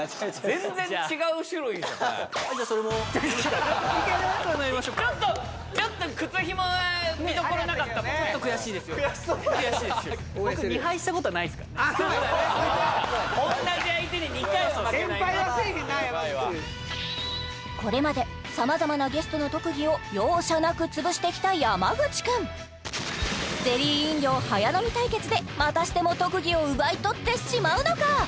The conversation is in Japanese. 全敗はせえへんな山口これまで様々なゲストの特技を容赦なく潰してきた山口くんゼリー飲料早飲み対決でまたしても特技を奪い取ってしまうのか？